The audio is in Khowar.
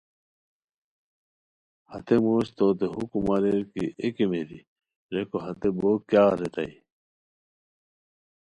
ہتے موش توتے حکم اریر کی اے کیمیری! ریکو ہتے بوک کیاغ؟ ریتائے